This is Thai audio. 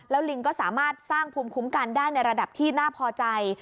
ลิงก็สามารถสร้างภูมิคุ้มกันได้ในระดับที่น่าพอใจ